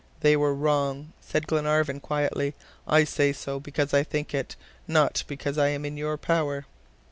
"They were wrong!" said Glenarvan, quietly. "I say so, because I think it, not because I am in your power."